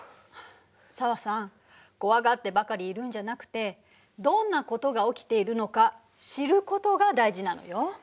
紗和さん怖がってばかりいるんじゃなくてどんなことが起きているのか知ることが大事なのよ。